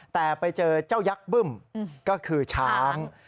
แต่ไปเจอเจ้ายักษ์บึ้มก็คือช้าง